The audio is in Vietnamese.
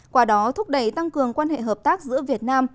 qua đó thúc đẩy tăng cường quan hệ hợp tác giữa việt nam